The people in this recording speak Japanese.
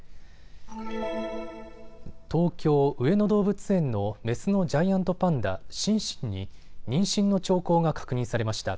東京、上野動物園のメスのジャイアントパンダ、シンシンに妊娠の兆候が確認されました。